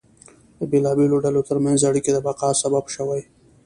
د بېلابېلو ډلو ترمنځ اړیکې د بقا سبب شوې.